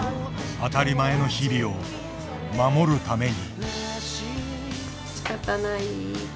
当たり前の日々を守るために。